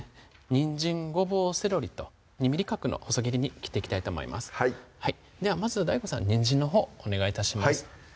にんじん・ごぼう・セロリと２ｍｍ角の細切りに切っていきたいと思いますではまずＤＡＩＧＯさんにんじんのほうお願い致します